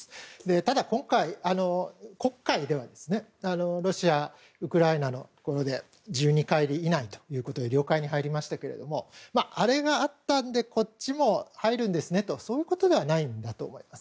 ただ黒海ではロシア、ウクライナの１２カイリ以内ということで領海に入りましたけれどもあれがあったのでこっちも入るんですねとそういうことではないんだと思います。